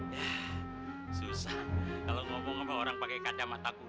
yah susah kalau ngomong sama orang pakai kata mata kuda